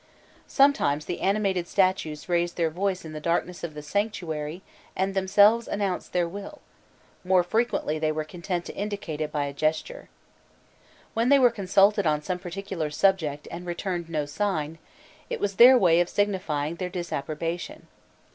Sometimes the animated statues raised their voices in the darkness of the sanctuary and themselves announced their will; more frequently they were content to indicate it by a gesture. When they were consulted on some particular subject and returned no sign, it was their way of signifying their disapprobation.